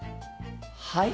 はい？